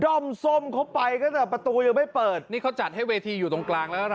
้อมส้มเขาไปตั้งแต่ประตูยังไม่เปิดนี่เขาจัดให้เวทีอยู่ตรงกลางแล้วนะ